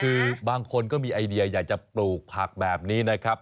คือบางคนก็มีไอเดียอยากจะปลูกผักแบบนี้นะครับ